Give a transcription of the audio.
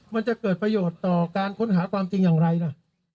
มันจะเกิดประโยชน์ต่อการค้นหาความจริงอย่างไรนะ